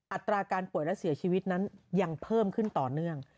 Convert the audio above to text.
อัตราการป่วยและเสียชีวิตนั้นยังเพิ่มขึ้นต่อเนื่อง